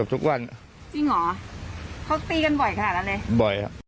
บ่อยครับ